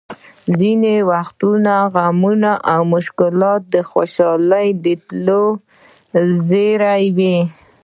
ځینې وخت غمونه او مشکلات د خوشحالۍ د راتلو زېری وي!